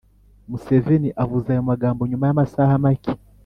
museveni avuze ayo magambo nyuma y’amasaha make